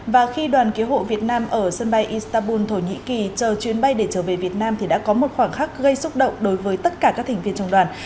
và khi đoàn cứu hộ việt nam ở sân bay istanbul thổ nhĩ kỳ chờ chuyến bay để trở về việt nam thì đã có một khoảng khắc gây xúc động đối với tất cả các thành viên trong đoàn